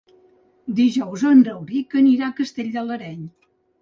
Dijous en Rauric anirà a Castell de l'Areny.